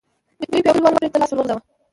دوو پياوړو کليوالو پړي ته لاس ور وغځاوه.